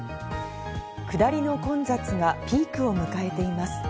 下りの混雑はピークを迎えています。